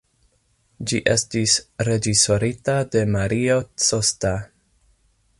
Ĝi estis reĝisorita de Mario Costa.